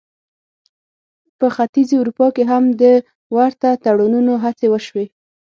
په ختیځې اروپا کې هم د ورته تړونونو هڅې وشوې.